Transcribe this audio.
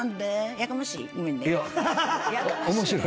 やかましい？